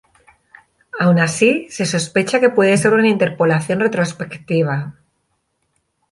Aun así, se sospecha que puede ser una interpolación retrospectiva.